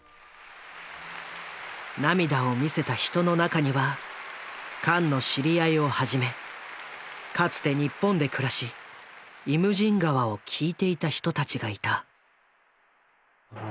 涙を見せた人の中にはカンの知り合いをはじめかつて日本で暮らし「イムジン河」を聴いていた人たちがいた。